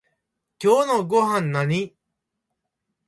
今日のごはんなに？